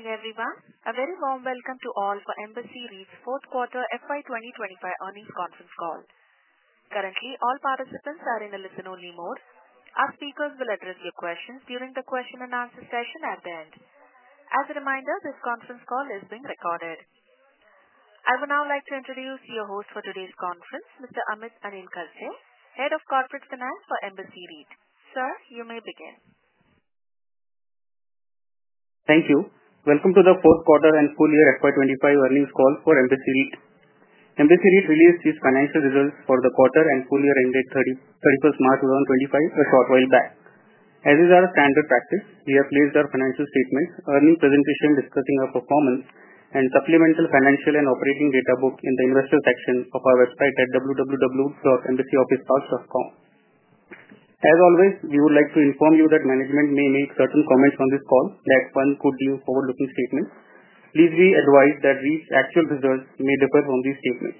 Hey everyone, a very warm welcome to all for Embassy REIT's fourth quarter FY 2025 earnings conference call. Currently, all participants are in a listen-only mode. Our speakers will address your questions during the question and answer session at the end. As a reminder, this conference call is being recorded. I would now like to introduce your host for today's conference, Mr. Amit Kharche, Head of Corporate Finance for Embassy REIT. Sir, you may begin. Thank you. Welcome to the fourth quarter and full year FY 2025 earnings call for Embassy REIT. Embassy REIT released its financial results for the quarter and full year ended 31st, March 2025, a short while back. As is our standard practice, we have placed our financial statements, earnings presentation discussing our performance, and supplemental financial and operating data book in the Investor Section of our website at www.embassyofficeparks.com. As always, we would like to inform you that management may make certain comments on this call, like one could be a forward-looking statement. Please be advised that REIT's actual results may differ from these statements.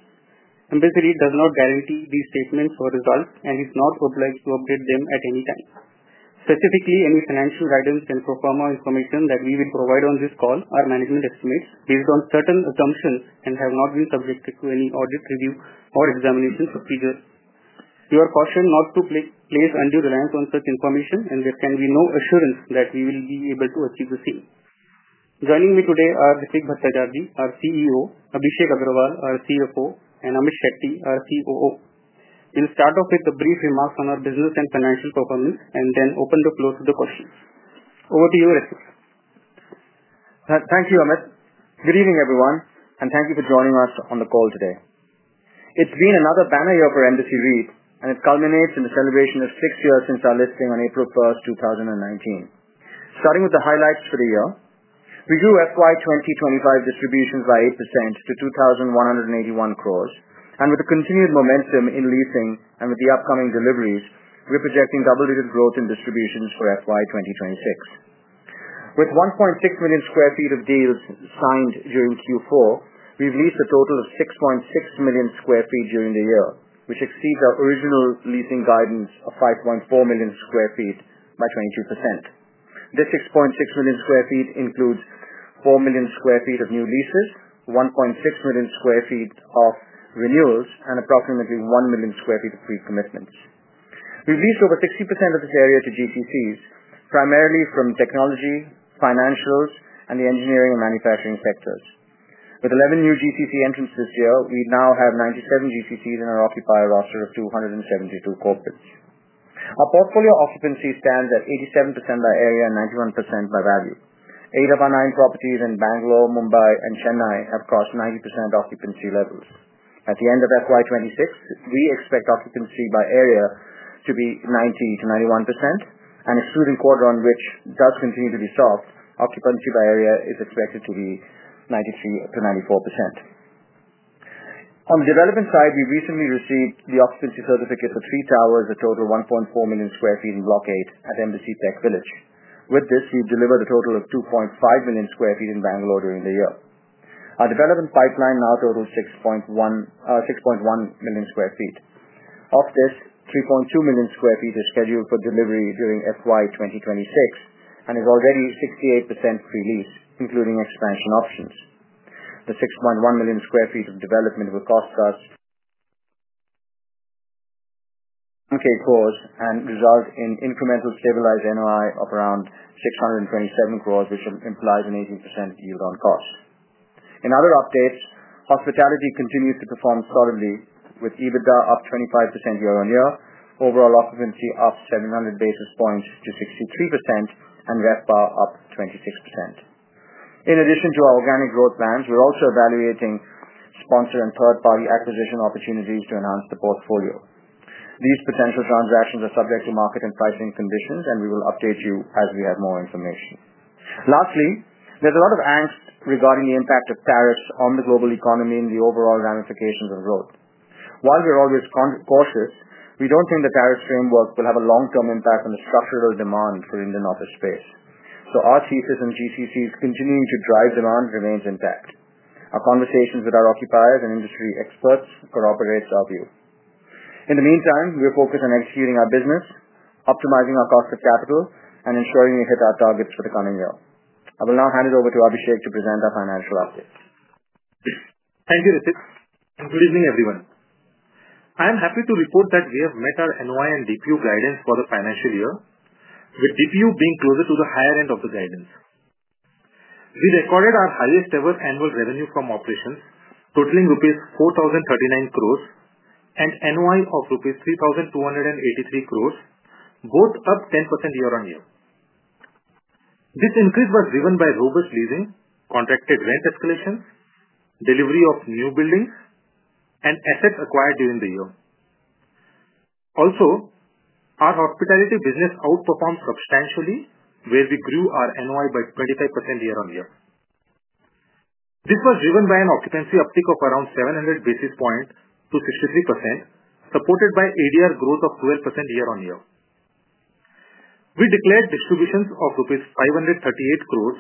Embassy REIT does not guarantee these statements or results and is not obliged to update them at any time. Specifically, any financial guidance and pro forma information that we will provide on this call are management estimates based on certain assumptions and have not been subjected to any audit review or examination procedures. We are cautioned not to place undue reliance on such information, and there can be no assurance that we will be able to achieve the same. Joining me today are Ritwik Bhattacharjee, our CEO; Abhishek Agrawal, our CFO; and Amit Shetty, our COO. We'll start off with brief remarks on our business and financial performance and then open the floor to questions. Over to you, Ritwik. Thank you, Amit. Good evening, everyone, and thank you for joining us on the call today. It is been another banner year for Embassy REIT, and it culminates in the celebration of six years since our listing on April 1st, 2019. Starting with the highlights for the year, we grew FY 2025 distributions by 8% to 2,181 crore, and with the continued momentum in leasing and with the upcoming deliveries, we are projecting double-digit growth in distributions for FY 2026. With 1.6 million sq ft of deals signed during Q4, we have leased a total of 6.6 million sq ft during the year, which exceeds our original leasing guidance of 5.4 million sq ft by 22%. This 6.6 million sq ft includes 4 million sq ft of new leases, 1.6 million sq ft of renewals, and approximately 1 million sq ft of pre-commitments. We've leased over 60% of this area to GCCs, primarily from technology, financials, and the engineering and manufacturing sectors. With 11 new GCC entrants this year, we now have 97 GCCs in our occupier roster of 272 corporates. Our portfolio occupancy stands at 87% by area and 91% by value. Eight of our nine properties in Bangalore, Mumbai, and Chennai have crossed 90% occupancy levels. At the end of FY 2026, we expect occupancy by area to be 90%-91%, and excluding Quadron, which does continue to be soft, occupancy by area is expected to be 93%-94%. On the development side, we've recently received the occupancy certificate for three towers, a total of 1.4 million sq ft in Block 8 at Embassy TechVillage. With this, we've delivered a total of 2.5 million sq ft in Bangalore during the year. Our development pipeline now totals 6.1 million sq ft. Of this, 3.2 million sq ft is scheduled for delivery during FY 2026 and is already 68% pre-leased, including expansion options. The 6.1 million sq ft of development will cost us INR 10,000 crores and result in incremental stabilized NOI of around 627 crore, which implies an 18% yield on cost. In other updates, hospitality continues to perform solidly, with EBITDA up 25% year-on-year, overall occupancy up 700 basis points to 63%, and RevPAR up 26%. In addition to our organic growth plans, we're also evaluating sponsor and third-party acquisition opportunities to enhance the portfolio. These potential transactions are subject to market and pricing conditions, and we will update you as we have more information. Lastly, there's a lot of angst regarding the impact of tariffs on the global economy and the overall ramifications of growth. While we're always cautious, we don't think the tariffs framework will have a long-term impact on the structural demand for Indian office space. Our thesis on GCCs continuing to drive demand remains intact. Our conversations with our occupiers and industry experts corroborate our view. In the meantime, we're focused on executing our business, optimizing our cost of capital, and ensuring we hit our targets for the coming year. I will now hand it over to Abhishek to present our financial updates. Thank you, Ritwik. Good evening, everyone. I am happy to report that we have met our NOI and DPU guidance for the financial year, with DPU being closer to the higher end of the guidance. We recorded our highest-ever annual revenue from operations, totaling rupees 4,039 crore and NOI of rupees 3,283 crore, both up 10% year-on-year. This increase was driven by robust leasing, contracted rent escalations, delivery of new buildings, and assets acquired during the year. Also, our hospitality business outperformed substantially, where we grew our NOI by 25% year-on-year. This was driven by an occupancy uptick of around 700 basis points to 63%, supported by ADR growth of 12% year-on-year. We declared distributions of 538 crore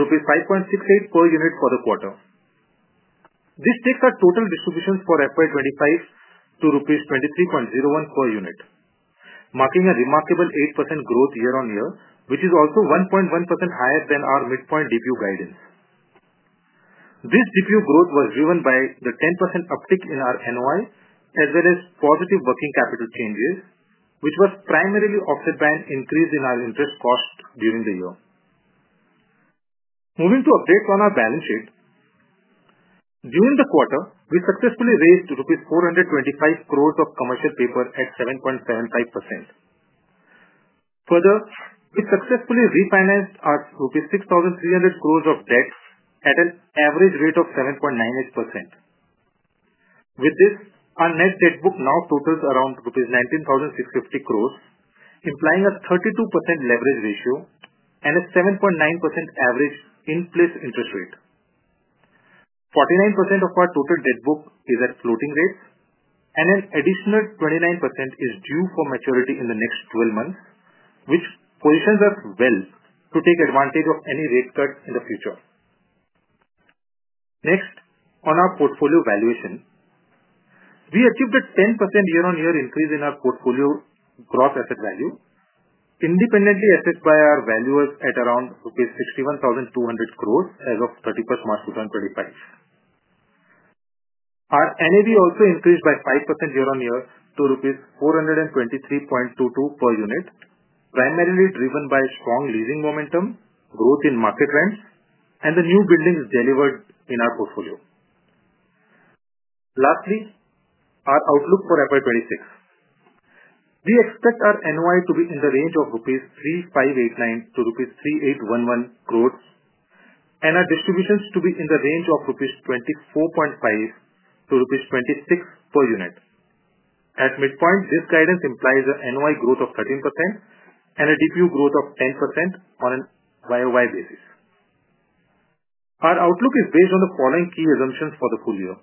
rupees or 5.68 rupees per unit for the quarter. This takes our total distributions for FY 2025 to INR 23.01 per unit, marking a remarkable 8% growth year-on-year, which is also 1.1% higher than our midpoint DPU guidance. This DPU growth was driven by the 10% uptick in our NOI, as well as positive working capital changes, which was primarily offset by an increase in our interest cost during the year. Moving to updates on our balance sheet, during the quarter, we successfully raised 425 crore rupees of commercial paper at 7.75%. Further, we successfully refinanced our INR 6,300 crore of debt at an average rate of 7.98%. With this, our net debt book now totals around rupees 19,650 crore, implying a 32% leverage ratio and a 7.9% average in place interest rate. 49% of our total debt book is at floating rates, and an additional 29% is due for maturity in the next 12 months, which positions us well to take advantage of any rate cut in the future. Next, on our portfolio valuation, we achieved a 10% year-on-year increase in our portfolio gross asset value, independently assessed by our valuers at around 61,200 crore rupees as of 31st March 2025. Our NAV also increased by 5% year-on-year to rupees 423.22 per unit, primarily driven by strong leasing momentum, growth in market rents, and the new buildings delivered in our portfolio. Lastly, our outlook for FY 2026, we expect our NOI to be in the range of 3,589 crore-3,811 crore rupees, and our distributions to be in the range of 24.5-26 rupees per unit. At midpoint, this guidance implies an NOI growth of 13% and a DPU growth of 10% on a year-on-year basis. Our outlook is based on the following key assumptions for the full year.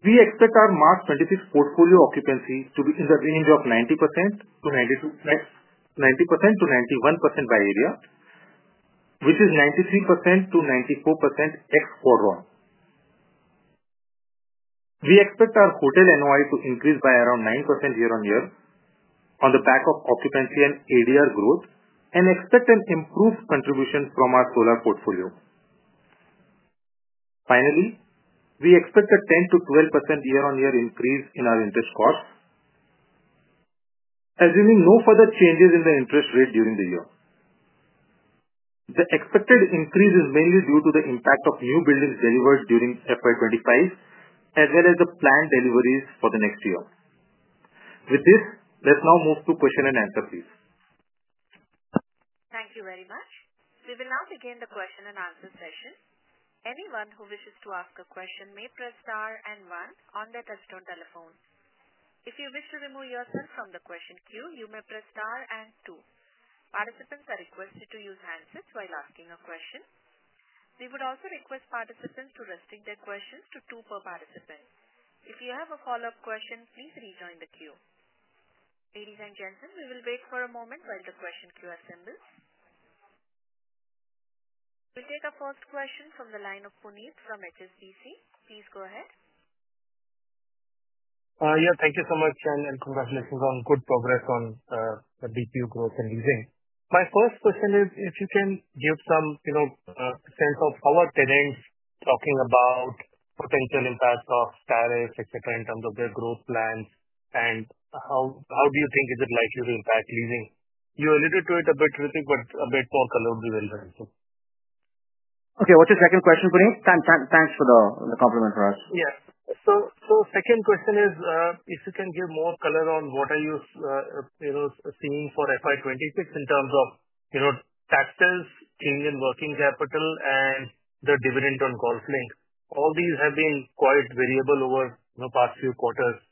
We expect our March 2026 portfolio occupancy to be in the range of 90%-91% by area, which is 93%-94% X Quadron. We expect our hotel NOI to increase by around 9% year-on-year on the back of occupancy and ADR growth, and expect an improved contribution from our solar portfolio. Finally, we expect a 10%-12% year-on-year increase in our interest costs, assuming no further changes in the interest rate during the year. The expected increase is mainly due to the impact of new buildings delivered during fiscal year 2025, as well as the planned deliveries for the next year. With this, let's now move to question and answer, please. Thank you very much. We will now begin the question-and-answer session. Anyone who wishes to ask a question may press star and one on the touchtone telephone. If you wish to remove yourself from the question queue, you may press star and two. Participants are requested to use handsets while asking a question. We would also request participants to restrict their questions to two per participant. If you have a follow-up question, please rejoin the queue. Ladies and gentlemen, we will wait for a moment while the question queue assembles. We'll take our first question from the line of Puneet from HSBC. Please go ahead. Yeah, thank you so much, and congratulations on good progress on the DPU growth and leasing. My first question is, if you can give some sense of how are tenants talking about potential impacts of tariffs, etc., in terms of their growth plans, and how do you think it is likely to impact leasing? You alluded to it a bit, Ritwik, but a bit more color we will run through. Okay, what's your second question, Puneet? Thanks for the compliment for us. Yeah. Second question is, if you can give more color on what are you seeing for FY 2026 in terms of taxes, change in working capital, and the dividend on Golf Link. All these have been quite variable over the past few quarters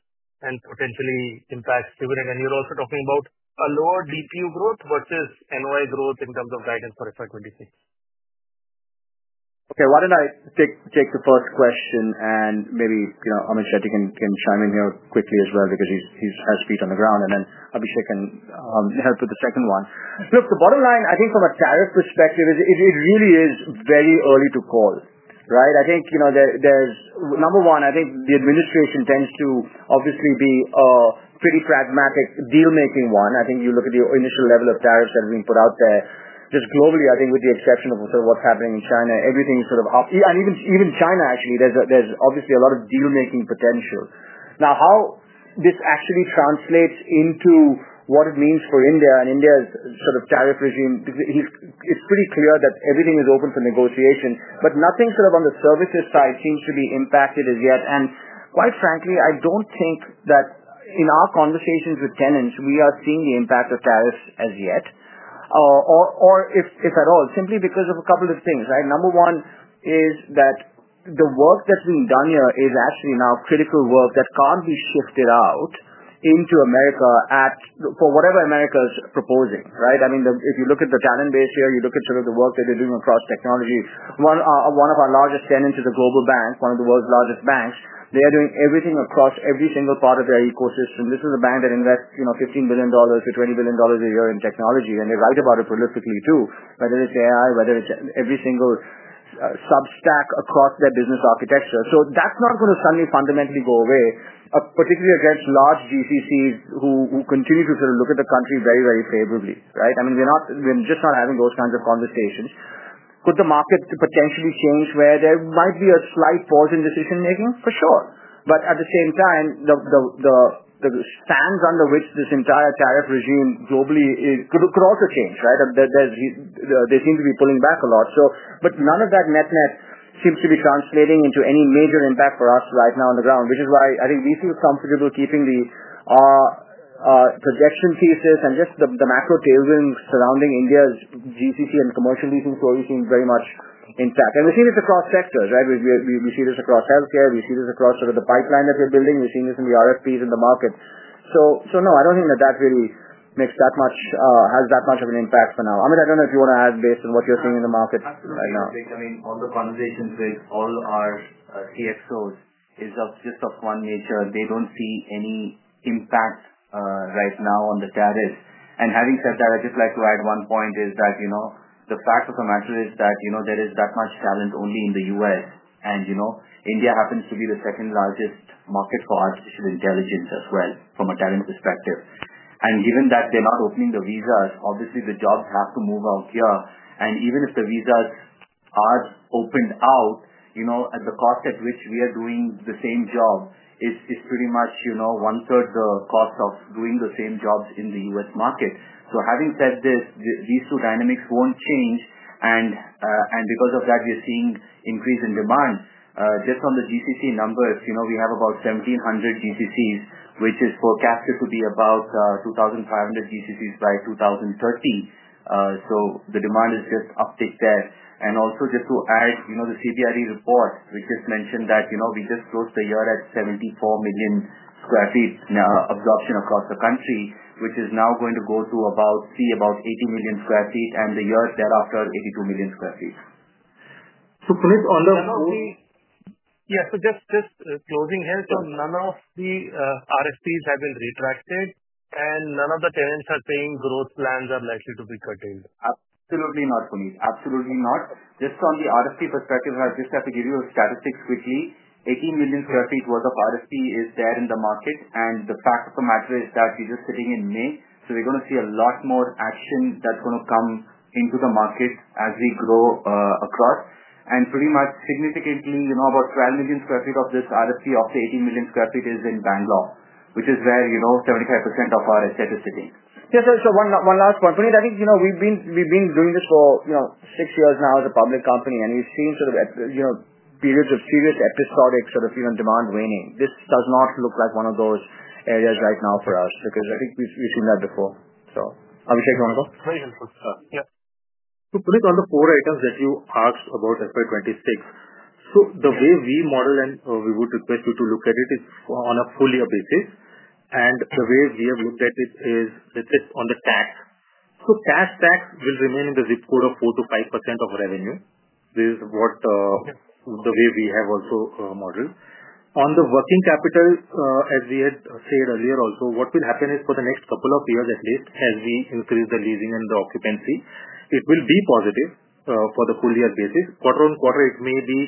and potentially impact dividend. You're also talking about a lower DPU growth versus NOI growth in terms of guidance for FY 2026. Okay, why don't I take the first question, and maybe Amit Shetty can chime in here quickly as well because he has feet on the ground, and then Abhishek can help with the second one. Look, the bottom line, I think from a tariff perspective, it really is very early to call, right? I think there's number one, I think the administration tends to obviously be a pretty pragmatic deal-making one. I think you look at the initial level of tariffs that are being put out there. Just globally, I think with the exception of sort of what's happening in China, everything is sort of up. Even China, actually, there's obviously a lot of deal-making potential. Now, how this actually translates into what it means for India and India's sort of tariff regime, it's pretty clear that everything is open for negotiation, but nothing sort of on the services side seems to be impacted as yet. Quite frankly, I don't think that in our conversations with tenants, we are seeing the impact of tariffs as yet, or if at all, simply because of a couple of things, right? Number one is that the work that's being done here is actually now critical work that can't be shifted out into America for whatever America is proposing, right? I mean, if you look at the talent base here, you look at sort of the work that they're doing across technology. One of our largest tenants is a global bank, one of the world's largest banks. They are doing everything across every single part of their ecosystem. This is a bank that invests $15 billion-$20 billion a year in technology, and they write about it prolifically too, whether it's AI, whether it's every single sub-stack across their business architecture. That's not going to suddenly fundamentally go away, particularly against large GCCs who continue to sort of look at the country very, very favorably, right? I mean, we're just not having those kinds of conversations. Could the market potentially change where there might be a slight pause in decision-making? For sure. At the same time, the sands under which this entire tariff regime globally could also change, right? They seem to be pulling back a lot. None of that net-net seems to be translating into any major impact for us right now on the ground, which is why I think we feel comfortable keeping our projection thesis and just the macro tailwinds surrounding India's GCC and commercial leasing stories seem very much intact. We have seen this across sectors, right? We see this across healthcare. We see this across sort of the pipeline that they are building. We have seen this in the RFPs and the market. No, I do not think that really makes that much or has that much of an impact for now. Amit, I do not know if you want to add based on what you are seeing in the market right now. Absolutely, Ritwik. All the conversations with all our CXOs is just of one nature. They do not see any impact right now on the tariffs. Having said that, I'd just like to add one point. The fact of the matter is that there is that much talent only in the U.S., and India happens to be the second largest market for artificial intelligence as well from a talent perspective. Given that they are not opening the visas, obviously the jobs have to move out here. Even if the visas are opened out, the cost at which we are doing the same job is pretty much one-third the cost of doing the same jobs in the U.S. market. Having said this, these two dynamics will not change. Because of that, we are seeing increase in demand. Just on the GCC numbers, we have about 1,700 GCCs, which is forecasted to be about 2,500 GCCs by 2030. The demand is just uptick there. Also, just to add, the CBRE report, we just mentioned that we just closed the year at 74 million sq ft absorption across the country, which is now going to go to about 80 million sq ft and the year thereafter 82 million sq ft. Puneet, on the. None of the. Yeah, just closing here. None of the RFPs have been retracted, and none of the tenants are saying growth plans are likely to be curtailed. Absolutely not, Puneet. Absolutely not. Just on the RFP perspective, I just have to give you a statistic quickly. 18 million sq ft worth of RFP is there in the market, and the fact of the matter is that we're just sitting in May, so we're going to see a lot more action that's going to come into the market as we grow across. Pretty much significantly, about 12 million sq ft of this RFP of the 18 million sq ft is in Bangalore, which is where 75% of our asset is sitting. Yeah, so one last point. Puneet, I think we've been doing this for six years now as a public company, and we've seen sort of periods of serious episodic sort of demand waning. This does not look like one of those areas right now for us because I think we've seen that before. So Abhishek, you want to go? Very helpful. Yeah. Puneet, on the four items that you asked about FY 2026, the way we model and we would request you to look at it is on a full-year basis. The way we have looked at it is, let's say, on the tax. Cash tax will remain in the zip code of 4%-5% of revenue. This is the way we have also modeled. On the working capital, as we had said earlier also, what will happen is for the next couple of years at least, as we increase the leasing and the occupancy, it will be positive for the full-year basis. Quarter on quarter, it may be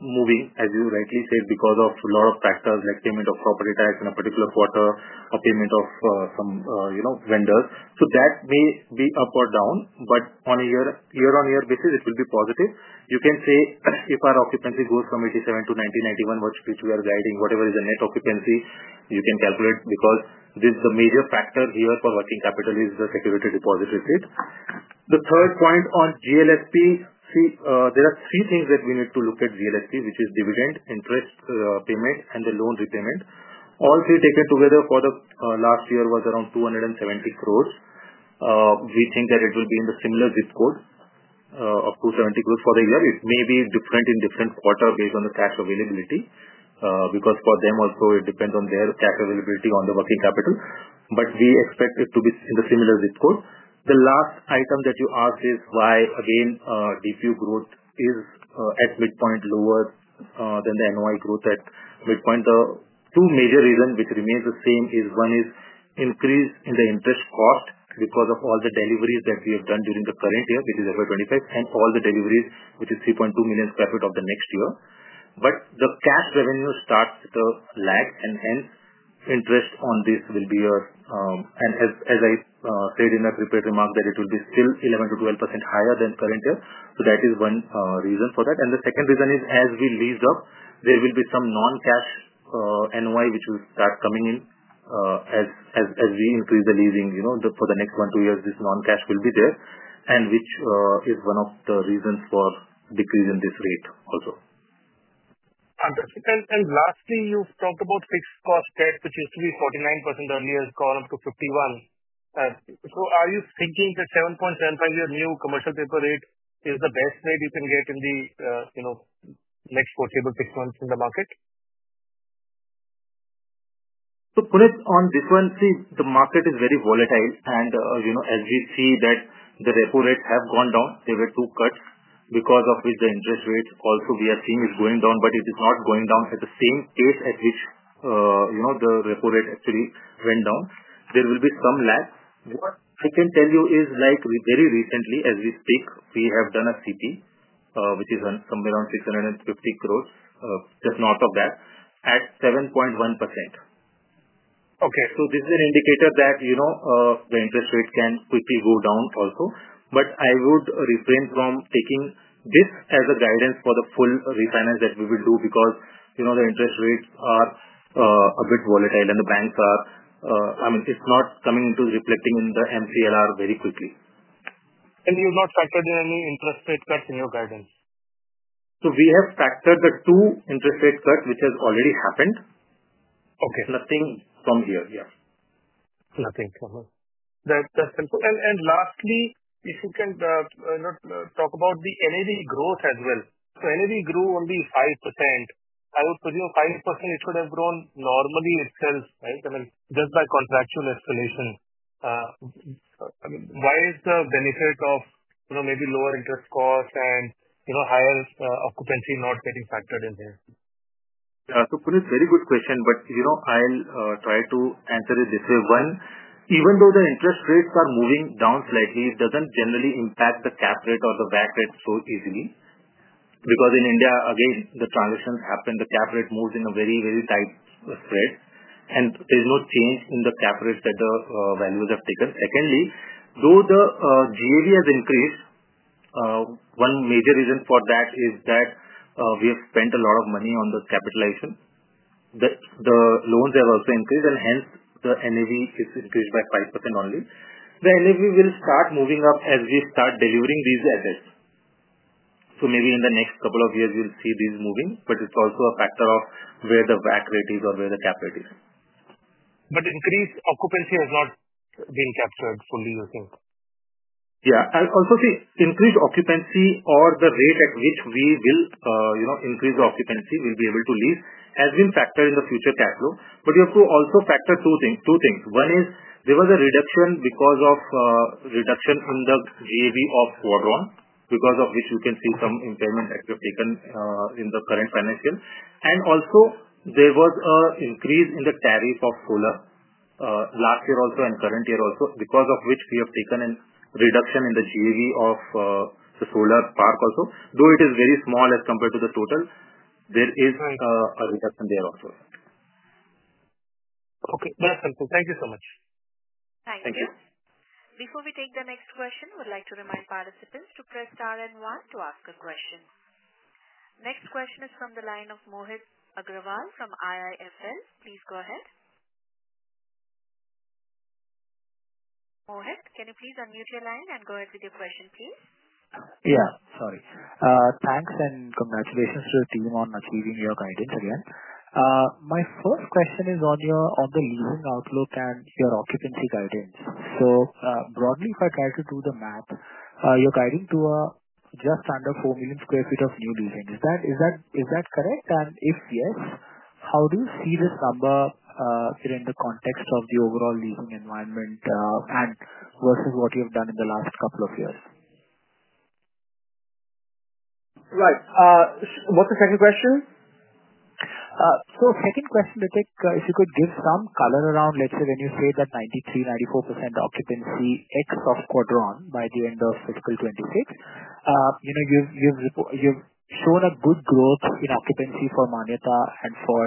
moving, as you rightly said, because of a lot of factors like payment of property tax in a particular quarter, or payment of some vendors. That may be up or down, but on a year-on-year basis, it will be positive. You can say if our occupancy goes from 87% to 90%-91%, which we are guiding, whatever is the net occupancy, you can calculate because the major factor here for working capital is the security deposit receipt. The third point on GLSP, see, there are three things that we need to look at GLSP, which is dividend, interest payment, and the loan repayment. All three taken together for the last year was around 270 crore. We think that it will be in the similar zip code of 270 crore for the year. It may be different in different quarters based on the cash availability because for them also, it depends on their cash availability on the working capital. We expect it to be in the similar zip code. The last item that you asked is why, again, DPU growth is at midpoint lower than the NOI growth at midpoint. The two major reasons which remain the same is one is increase in the interest cost because of all the deliveries that we have done during the current year, which is FY 2026, and all the deliveries, which is 3.2 million sq ft of the next year. The cash revenue starts to lag, and hence interest on this will be a, and as I said in a repeated remark, that it will be still 11%-12% higher than current year. That is one reason for that. The second reason is, as we leased up, there will be some non-cash NOI which will start coming in as we increase the leasing. For the next one to two years, this non-cash will be there, and which is one of the reasons for decrease in this rate also. Fantastic. Lastly, you've talked about fixed cost debt, which used to be 49% earlier, gone up to 51%. Are you thinking the 7.75 year new commercial paper rate is the best rate you can get in the next foreseeable six months in the market? Puneet, on this one, see, the market is very volatile, and as we see that the repo rates have gone down, there were two cuts because of which the interest rate also we are seeing is going down, but it is not going down at the same pace at which the repo rate actually went down. There will be some lag. What I can tell you is, very recently, as we speak, we have done a CP, which is somewhere around 650 crore, just north of that, at 7.1%. This is an indicator that the interest rate can quickly go down also. I would refrain from taking this as a guidance for the full refinance that we will do because the interest rates are a bit volatile, and the banks are, I mean, it's not coming into reflecting in the MCLR very quickly. You've not factored in any interest rate cuts in your guidance? We have factored the two interest rate cuts, which has already happened. Nothing from here, yeah. Nothing from here. That's helpful. Lastly, if you can talk about the NAV growth as well. NAV grew only 5%. I would presume 5%, it should have grown normally itself, right? I mean, just by contractual escalation. I mean, why is the benefit of maybe lower interest cost and higher occupancy not getting factored in here? Yeah. So Puneet, very good question, but I'll try to answer it this way. One, even though the interest rates are moving down slightly, it doesn't generally impact the cap rate or the VAT rate so easily. Because in India, again, the transactions happen, the cap rate moves in a very, very tight spread, and there's no change in the cap rates that the values have taken. Secondly, though the GAV has increased, one major reason for that is that we have spent a lot of money on the capitalization. The loans have also increased, and hence the NAV is increased by 5% only. The NAV will start moving up as we start delivering these assets. Maybe in the next couple of years, you'll see these moving, but it's also a factor of where the VAT rate is or where the cap rate is. Increased occupancy has not been captured fully, you think? Yeah. Also, see, increased occupancy or the rate at which we will increase the occupancy we'll be able to lease has been factored in the future cash flow. You have to also factor two things. One is there was a reduction because of reduction in the GAV of Quadron, because of which we can see some impairment that we have taken in the current financial. There was an increase in the tariff of solar last year also and current year also, because of which we have taken a reduction in the GAV of the solar park also. Though it is very small as compared to the total, there is a reduction there also. Okay. That's helpful. Thank you so much. Thank you. Before we take the next question, we'd like to remind participants to press star and one to ask a question. Next question is from the line of Mohit Agrawal from IIFL. Please go ahead. Mohit, can you please unmute your line and go ahead with your question, please? Yeah. Sorry. Thanks and congratulations to the team on achieving your guidance again. My first question is on the leasing outlook and your occupancy guidance. Broadly, if I try to do the math, you're guiding to just under 4 million sq ft of new leasing. Is that correct? If yes, how do you see this number in the context of the overall leasing environment versus what you have done in the last couple of years? Right. What's the second question? Second question, I think if you could give some color around, let's say when you say that 93%-94% occupancy excluding Quadron by the end of fiscal 2026, you've shown good growth in occupancy for Manyata and for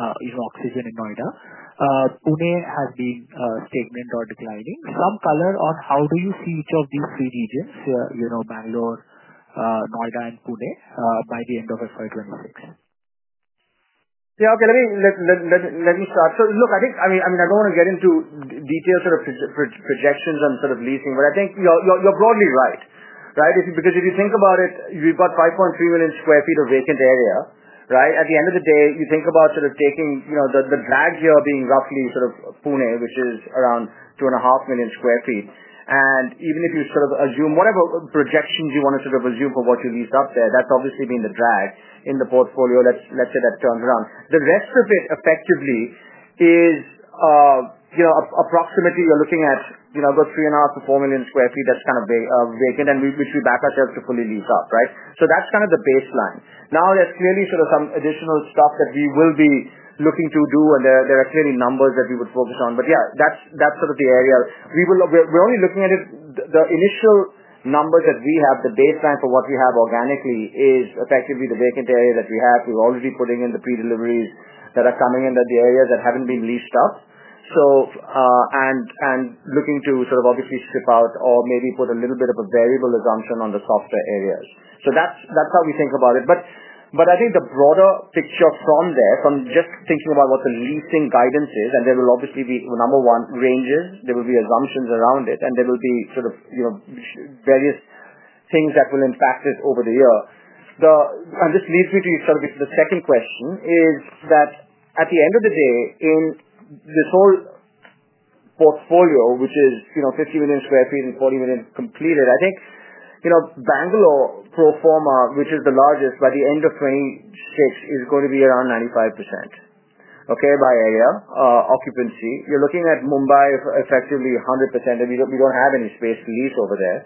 Oxygen in Noida. Pune has been stagnant or declining. Some color on how do you see each of these three regions, Bangalore, Noida, and Pune by the end of FY 2026? Yeah. Okay. Let me start. Look, I mean, I don't want to get into detailed sort of projections on sort of leasing, but I think you're broadly right, right? Because if you think about it, you've got 5.3 million sq ft of vacant area, right? At the end of the day, you think about sort of taking the drag here being roughly sort of Pune, which is around 2.5 million sq ft. Even if you sort of assume whatever projections you want to sort of assume for what you leased up there, that's obviously been the drag in the portfolio. Let's say that turns around. The rest of it effectively is approximately you're looking at about 3.5 million sq ft-4 million sq ft, that's kind of vacant, which we back ourselves to fully lease up, right? That's kind of the baseline. Now, there's clearly sort of some additional stuff that we will be looking to do, and there are clearly numbers that we would focus on. Yeah, that's sort of the area. We're only looking at it. The initial numbers that we have, the baseline for what we have organically is effectively the vacant area that we have. We're already putting in the pre-deliveries that are coming into the areas that haven't been leased up, and looking to sort of obviously ship out or maybe put a little bit of a variable assumption on the softer areas. That's how we think about it. I think the broader picture from there, from just thinking about what the leasing guidance is, there will obviously be, number one, ranges, there will be assumptions around it, and there will be sort of various things that will impact it over the year. This leads me to sort of the second question. At the end of the day, in this whole portfolio, which is 50 million sq ft and 40 million sq ft completed, I think Bangalore, pro forma, which is the largest by the end of 2026, is going to be around 95% by area occupancy. You're looking at Mumbai, effectively 100%, and we don't have any space to lease over there.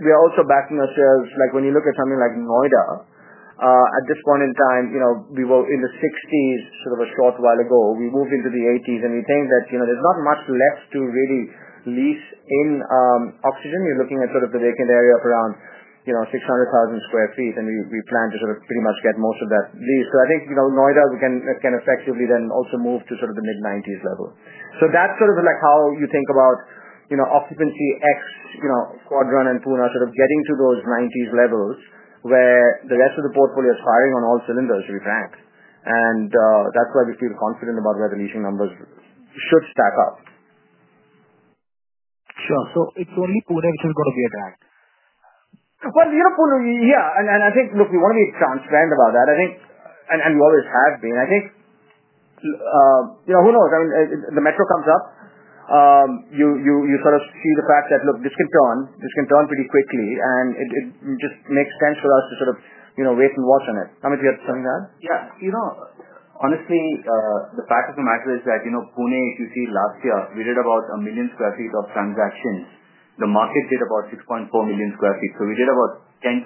We're also backing ourselves. When you look at something like Noida, at this point in time, we were in the 60s sort of a short while ago. We moved into the 80s, and we think that there's not much left to really lease in Oxygen. You're looking at sort of the vacant area of around 600,000 sq ft, and we plan to sort of pretty much get most of that leased. I think Noida, we can effectively then also move to sort of the mid-90s level. That is sort of how you think about occupancy. Quadron and Pune are sort of getting to those 90s levels where the rest of the portfolio is firing on all cylinders, to be frank. That is why we feel confident about where the leasing numbers should stack up. Sure. It is only Pune which is going to be a drag? Yeah. I think, look, we want to be transparent about that. We always have been. I think who knows? I mean, the metro comes up, you sort of see the fact that, look, this can turn. This can turn pretty quickly, and it just makes sense for us to sort of wait and watch on it. Amit, do you have something to add? Yeah. Honestly, the fact of the matter is that Pune, if you see last year, we did about 1 million sq ft of transactions. The market did about 6.4 million sq ft. We did about 10%-12%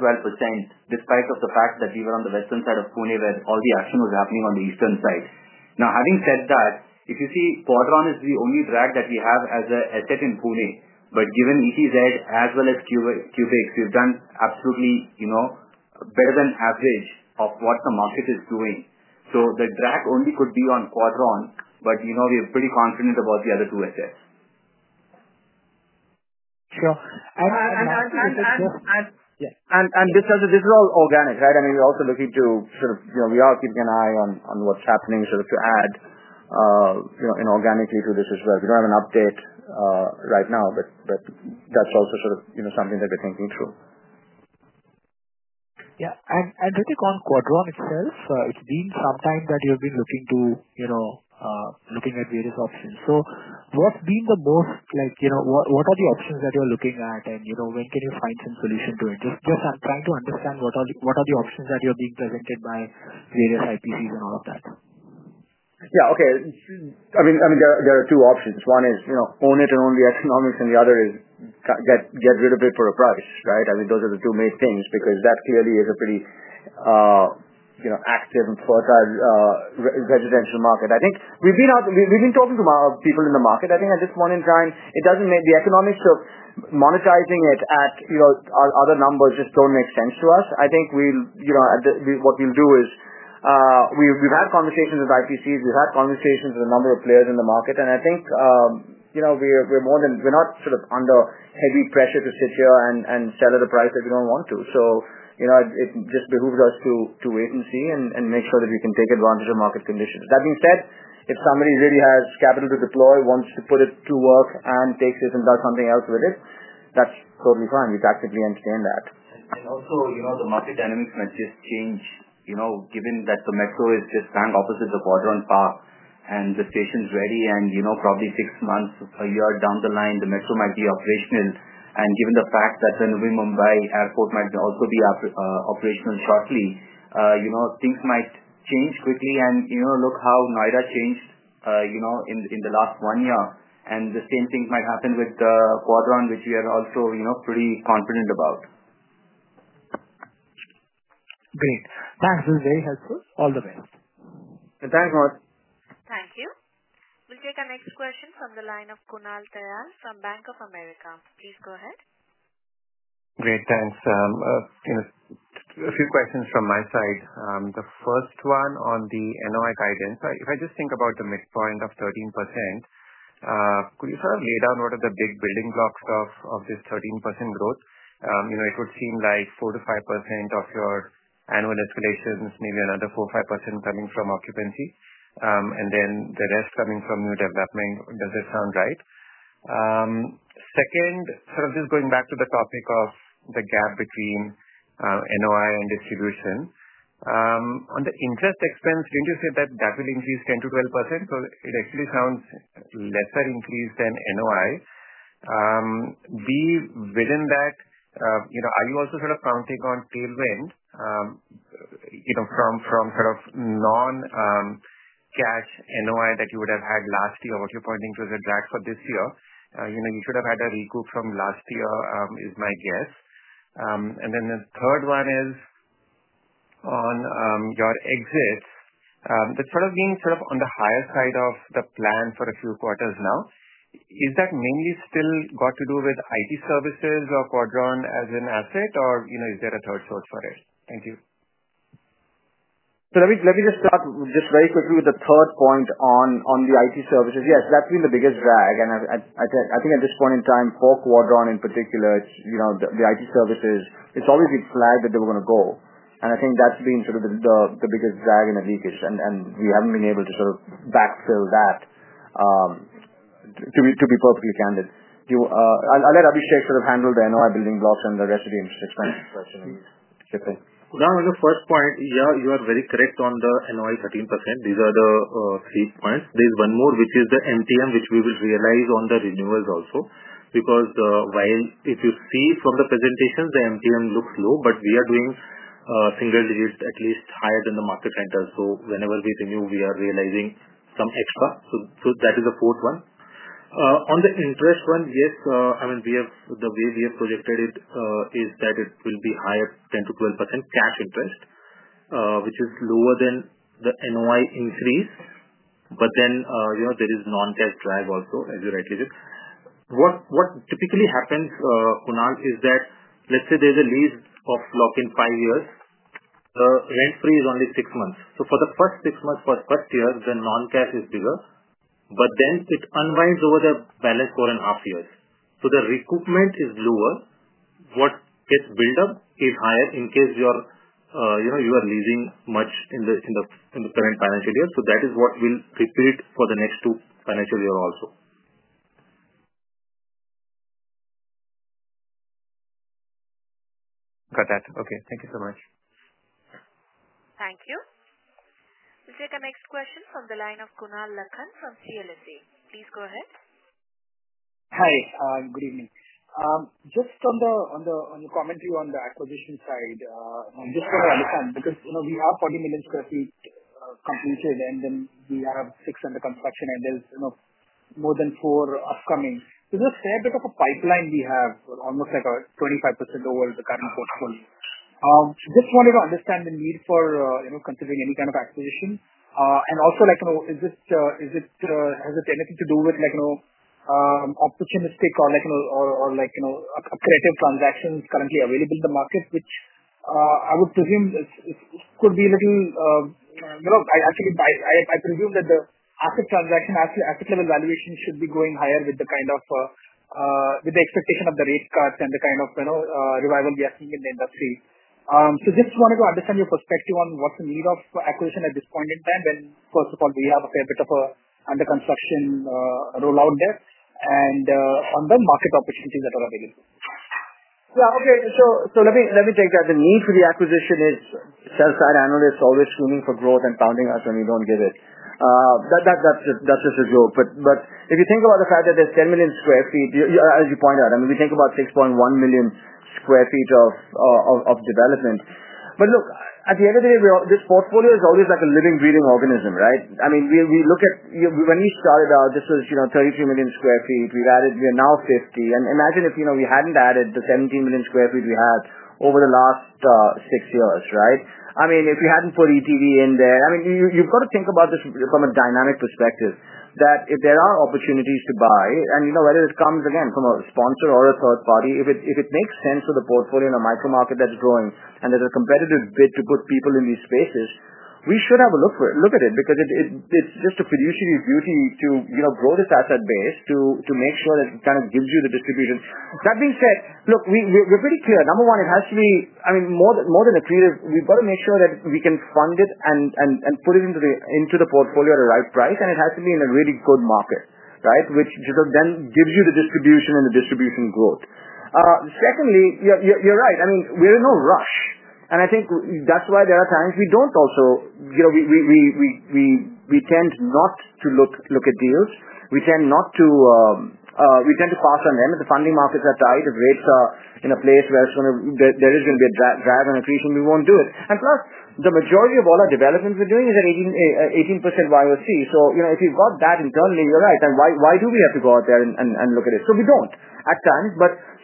despite the fact that we were on the western side of Pune where all the action was happening on the eastern side. Now, having said that, if you see, Quadron is the only drag that we have as an asset in Pune. Given ETZ as well as Qubix, we've done absolutely better than average of what the market is doing. The drag only could be on Quadron, but we're pretty confident about the other two assets. Sure. This is all organic, right? I mean, we're also looking to sort of we are keeping an eye on what's happening sort of to add inorganically to this as well. We don't have an update right now, but that's also sort of something that we're thinking through. Yeah. Looking on Quadron itself, it's been some time that you've been looking at various options. What's been the most, what are the options that you're looking at, and when can you find some solution to it? I'm just trying to understand what are the options that you're being presented by various IPCs and all of that. Yeah. Okay. I mean, there are two options. One is own it and own the economics, and the other is get rid of it for a price, right? I mean, those are the two main things because that clearly is a pretty active and fertile residential market. I think we've been talking to people in the market. I think at this point in time, it doesn't make the economics of monetizing it at other numbers just don't make sense to us. I think what we'll do is we've had conversations with IPCs. We've had conversations with a number of players in the market, and I think we're more than we're not sort of under heavy pressure to sit here and sell at a price that we don't want to. It just behooves us to wait and see and make sure that we can take advantage of market conditions. That being said, if somebody really has capital to deploy, wants to put it to work, and takes it and does something else with it, that's totally fine. We'd actively entertain that. The market dynamics might just change. Given that the metro is just bang opposite the Quadron park, and the station is ready, and probably six months, a year down the line, the metro might be operational. Given the fact that the Navi Mumbai Airport might also be operational shortly, things might change quickly. Look how Noida changed in the last one year. The same thing might happen with Quadron, which we are also pretty confident about. Great. Thanks. This is very helpful. All the best. Thanks, Mohit. Thank you. We'll take our next question from the line of Kunal Tayal from Bank of America. Please go ahead. Great. Thanks. A few questions from my side. The first one on the NOI guidance. If I just think about the midpoint of 13%, could you sort of lay down what are the big building blocks of this 13% growth? It would seem like 4%-5% of your annual escalations, maybe another 4%-5% coming from occupancy, and then the rest coming from new development. Does that sound right? Second, sort of just going back to the topic of the gap between NOI and distribution. On the interest expense, did not you say that that will increase 10%-12%? It actually sounds lesser increase than NOI. Be within that, are you also sort of counting on tailwind from sort of non-cash NOI that you would have had last year? What you are pointing to is a drag for this year. You should have had a recoup from last year is my guess. The third one is on your exits. That is sort of being on the higher side of the plan for a few quarters now. Is that mainly still got to do with IT services or Quadron as an asset, or is there a third source for it? Thank you. Let me just start very quickly with the third point on the IT services. Yes, that's been the biggest drag. I think at this point in time, for Quadron in particular, the IT services, it's obviously flagged that they were going to go. I think that's been sort of the biggest drag in the leakage, and we haven't been able to sort of backfill that, to be perfectly candid. I'll let Abhishek sort of handle the NOI building blocks and the rest of the interest expense questions. Kunal, on the first point, yeah, you are very correct on the NOI 13%. These are the three points. There's one more, which is the MTM, which we will realize on the renewals also. Because if you see from the presentations, the MTM looks low, but we are doing single digits, at least higher than the market center. Whenever we renew, we are realizing some extra. That is the fourth one. On the interest one, yes. I mean, the way we have projected it is that it will be higher 10%-12% cash interest, which is lower than the NOI increase. Then there is non-cash drag also, as you rightly said. What typically happens, Kunal, is that let's say there's a lease of lock-in five years. The rent-free is only six months. For the first six months, for the first year, the non-cash is bigger. It unwinds over the balance 4.5 years. The recoupment is lower. What gets built up is higher in case you are leasing much in the current financial year. That is what will repeat for the next two financial years also. Got that. Okay. Thank you so much. Thank you. We'll take our next question from the line of Kunal Lakhan from CLSA. Please go ahead. Hi. Good evening. Just on your commentary on the acquisition side, I just want to understand because we have 40 million sq ft completed, and then we have six under construction, and there is more than four upcoming. Is there a fair bit of a pipeline? We have almost like 25% over the current portfolio. Just wanted to understand the need for considering any kind of acquisition. Also, has it anything to do with opportunistic or creative transactions currently available in the market, which I would presume could be a little—actually, I presume that the asset transaction, asset level valuation should be going higher with the expectation of the rate cuts and the kind of revival we are seeing in the industry. I just wanted to understand your perspective on what's the need of acquisition at this point in time when, first of all, we have a fair bit of an under construction rollout there and on the market opportunities that are available. Yeah. Okay. Let me take that. The need for the acquisition is sell-side analysts always screaming for growth and pounding us when we do not give it. That is just a joke. If you think about the fact that there is 10 million sq ft, as you point out, I mean, we think about 6.1 million sq ft of development. Look, at the end of the day, this portfolio is always like a living, breathing organism, right? I mean, we look at when we started out, this was 33 million sq ft. We have added now 50. Imagine if we had not added the 17 million sq ft we had over the last six years, right? I mean, if we hadn't put ETV in there, I mean, you've got to think about this from a dynamic perspective that if there are opportunities to buy, and whether it comes, again, from a sponsor or a third party, if it makes sense for the portfolio in a micro market that's growing and there's a competitive bid to put people in these spaces, we should have a look at it because it's just a fiduciary duty to grow this asset base to make sure that it kind of gives you the distribution. That being said, look, we're pretty clear. Number one, it has to be, I mean, more than accretive. We've got to make sure that we can fund it and put it into the portfolio at a right price, and it has to be in a really good market, right, which then gives you the distribution and the distribution growth. Secondly, you're right. I mean, we're in no rush. I think that's why there are times we tend not to look at deals. We tend to pass on them if the funding markets are tight, if rates are in a place where there is going to be a drag on accretion, we won't do it. Plus, the majority of all our developments we're doing is at 18% YoC. If you've got that internally, you're right. Then why do we have to go out there and look at it? We don't at times.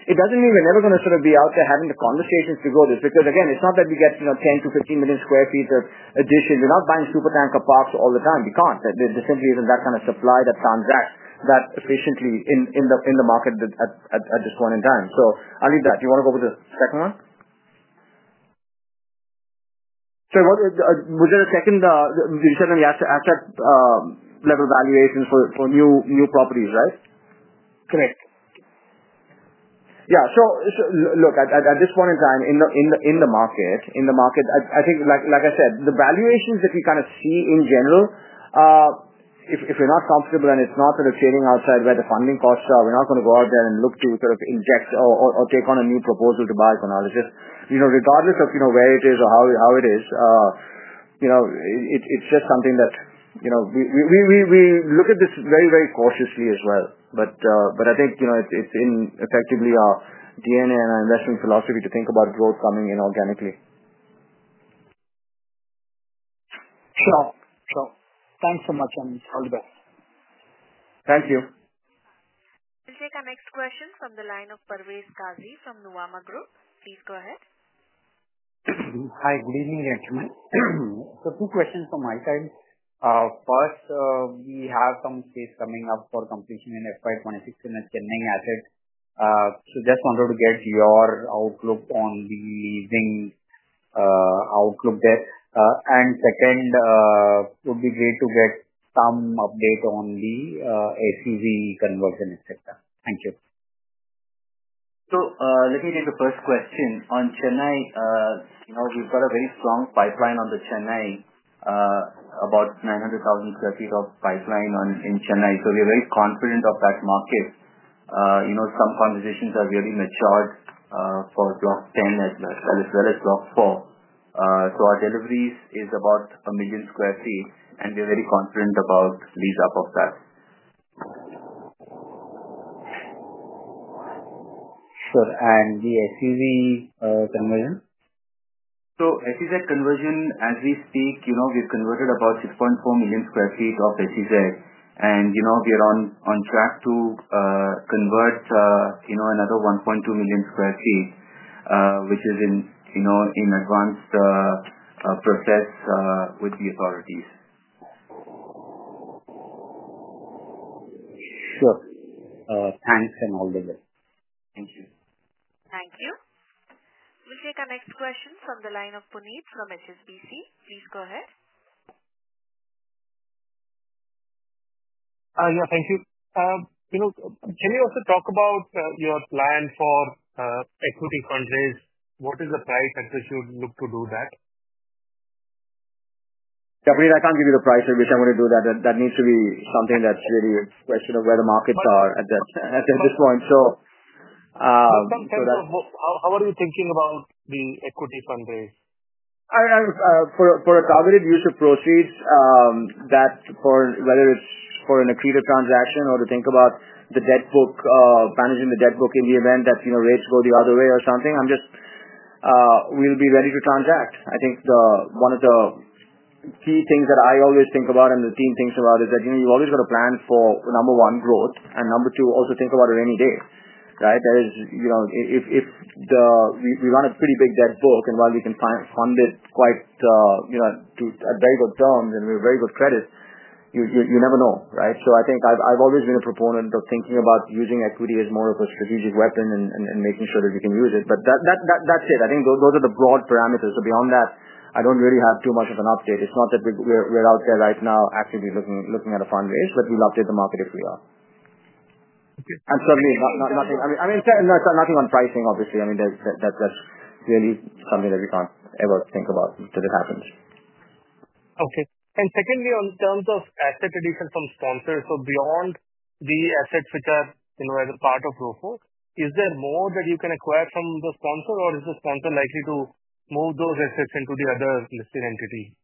It does not mean we are never going to sort of be out there having the conversations to go there. Because again, it is not that we get 10 million sq ft-15 million sq ft of addition. We are not buying supertanker parks all the time. We cannot. There simply is not that kind of supply that transacts that efficiently in the market at this point in time. I will leave that. Do you want to go with the second one? Sorry. Was there a second you said on the asset level valuations for new properties, right? Correct. Yeah. Look, at this point in time, in the market, I think, like I said, the valuations that we kind of see in general, if we're not comfortable and it's not sort of trading outside where the funding costs are, we're not going to go out there and look to sort of inject or take on a new proposal to buy, Kunal, it's just regardless of where it is or how it is, it's just something that we look at very, very cautiously as well. I think it's in effectively our DNA and our investment philosophy to think about growth coming in organically. Sure. Sure. Thanks so much, Amit. All the best. Thank you. We'll take our next question from the line of Parvez Qazi from Nuvama Group. Please go ahead. Hi. Good evening, gentlemen. Two questions from my side. First, we have some space coming up for completion in FY 2026 in a Chennai asset. Just wanted to get your outlook on the leasing outlook there. Second, it would be great to get some update on the SEZ conversion, etc. Thank you. Let me take the first question. On Chennai, we've got a very strong pipeline on Chennai, about 900,000 sq ft of pipeline in Chennai. We're very confident of that market. Some conversations are really matured for Block 10 as well as Block 4. Our deliveries is about 1 million sq ft, and we're very confident about lease-up of that. Sure. The SEZ conversion? SEZ conversion, as we speak, we've converted about 6.4 million sq ft of SEZ. We are on track to convert another 1.2 million sq ft, which is in advanced process with the authorities. Sure. Thanks and all the best. Thank you. Thank you. We'll take our next question from the line of Puneet from HSBC. Please go ahead. Yeah. Thank you. Can you also talk about your plan for equity fundraise? What is the price at which you would look to do that? Yeah, Puneet. I can't give you the price at which I'm going to do that. That needs to be something that's really a question of where the markets are at this point. How are you thinking about the equity fundraise? For a targeted use of proceeds, whether it's for an accretive transaction or to think about the debt book, managing the debt book in the event that rates go the other way or something, we'll be ready to transact. I think one of the key things that I always think about and the team thinks about is that you've always got to plan for, number one, growth, and number two, also think about it any day, right? If we run a pretty big debt book and while we can fund it quite to very good terms and with very good credit, you never know, right? I think I've always been a proponent of thinking about using equity as more of a strategic weapon and making sure that we can use it. That's it. I think those are the broad parameters. Beyond that, I do not really have too much of an update. It is not that we are out there right now actively looking at a fundraise, but we will update the market if we are. I mean, that is really something that we cannot ever think about until it happens. Okay. Secondly, in terms of asset addition from sponsors, beyond the assets which are as a part of ROPO, is there more that you can acquire from the sponsor, or is the sponsor likely to move those assets into the other listed entity?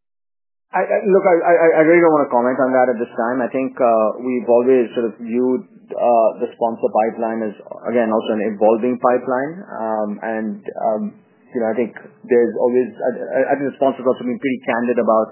Look, I really don't want to comment on that at this time. I think we've always sort of viewed the sponsor pipeline as, again, also an evolving pipeline. I think the sponsor's also been pretty candid about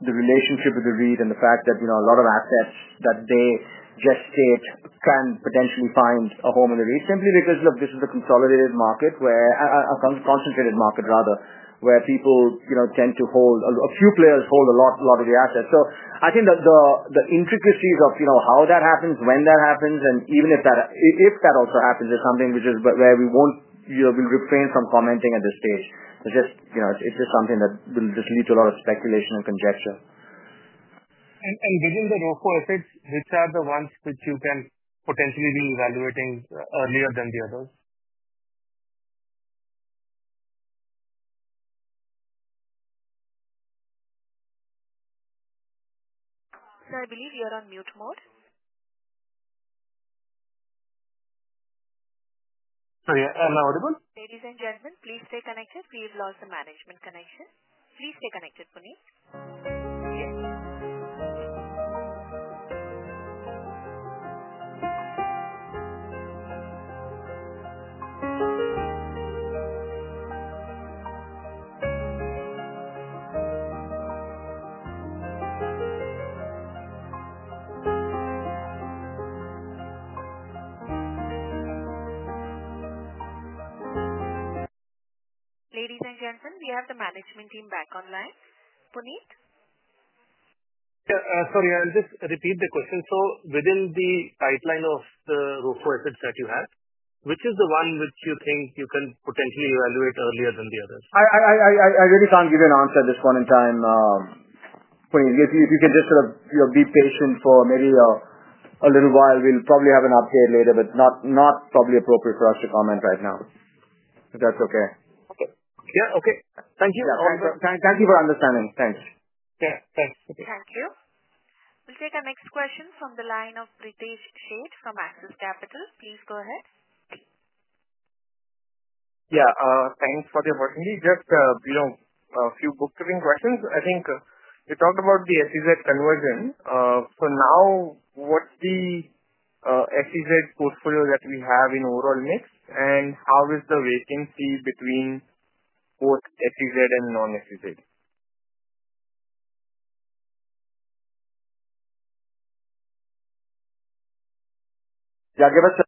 the relationship with the REIT and the fact that a lot of assets that they gestate can potentially find a home in the REIT simply because, look, this is a consolidated market, a concentrated market, rather, where people tend to hold, a few players hold a lot of the assets. I think the intricacies of how that happens, when that happens, and even if that also happens is something which is where we'll refrain from commenting at this stage. It's just something that will just lead to a lot of speculation and conjecture. Within the ROPO assets, which are the ones which you can potentially be evaluating earlier than the others? I believe you're on mute mode. Sorry. Am I audible? Ladies and gentlemen, please stay connected. We've lost the management connection. Please stay connected, Puneet. Yes. Ladies and gentlemen, we have the management team back online. Puneet? Sorry. I'll just repeat the question. Within the pipeline of the ROPO assets that you have, which is the one which you think you can potentially evaluate earlier than the others? I really can't give you an answer at this point in time, Puneet. If you can just sort of be patient for maybe a little while, we'll probably have an update later, but not probably appropriate for us to comment right now, if that's okay. Okay. Yeah. Okay. Thank you. Yeah. Thank you for understanding. Thanks. Yeah. Thanks. Thank you. We'll take our next question from the line of Pritesh Sheth from Axis Capital. Please go ahead. Yeah. Thanks for the opportunity. Just a few bookkeeping questions. I think you talked about the SEZ conversion. Now, what's the SEZ portfolio that we have in overall mix, and how is the vacancy between both SEZ and non-SEZ? Yeah. Give us.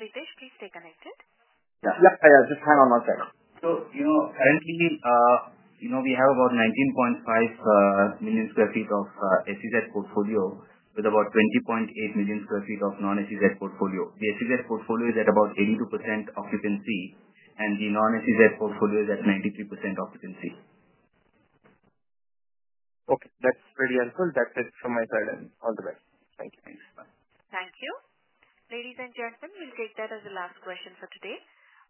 Pritesh, please stay connected. Yeah. Yeah. Just hang on one second. Currently, we have about 19.5 million sq ft of SEZ portfolio with about 20.8 million sq ft of non-SEZ portfolio. The SEZ portfolio is at about 82% occupancy, and the non-SEZ portfolio is at 93% occupancy. Okay. That's very helpful. That's it from my side. All the best. Thank you. Thanks. Bye. Thank you. Ladies and gentlemen, we'll take that as the last question for today.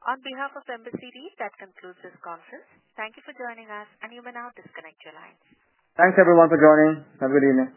On behalf of Embassy REIT, that concludes this conference. Thank you for joining us, and you may now disconnect your lines. Thanks, everyone, for joining. Have a good evening.